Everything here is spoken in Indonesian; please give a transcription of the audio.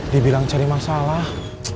dibilang cari masalah